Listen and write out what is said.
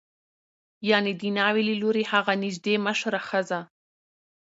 یعنې د ناوې له لوري هغه نژدې مشره ښځه